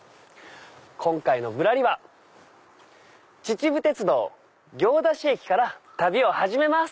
今回の『ぶらり』は秩父鉄道行田市駅から旅を始めます。